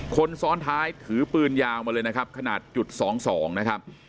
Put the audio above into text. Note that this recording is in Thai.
คนซ้อนท้ายถือปืนยาวมาเลยนะครับขนาดจุด๒๒นะครับ